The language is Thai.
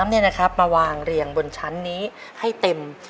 มาวางเรียงบนชั้นนี้ให้เต็ม